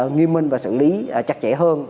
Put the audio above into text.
nguyên minh và xử lý chặt chẽ hơn